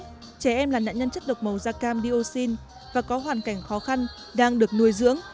các trẻ em là nạn nhân chất độc màu da cam dioxin và có hoàn cảnh khó khăn đang được nuôi dưỡng